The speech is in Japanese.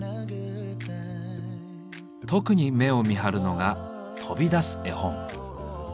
特に目を見張るのが「飛び出す絵本」。